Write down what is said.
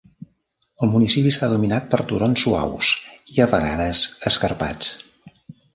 El municipi està dominat per turons suaus i a vegades escarpats.